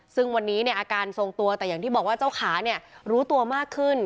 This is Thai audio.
ซึ่งวันนี้อาการทรงตัวแต่อย่างที่บอกว่าเจ้าขารู้ตัวมากขึ้น